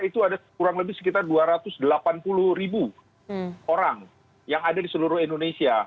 itu ada kurang lebih sekitar dua ratus delapan puluh ribu orang yang ada di seluruh indonesia